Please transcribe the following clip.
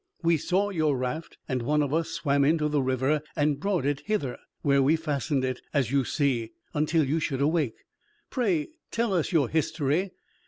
We saw your raft, and one of us swam into the river, and brought it hither, where we fastened it, as you see, until you should awake. Pray tell us your history.